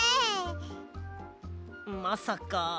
まさか。